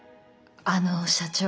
あの社長